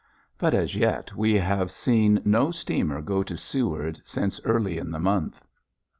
But as yet we have seen no steamer go to Seward since early in the month.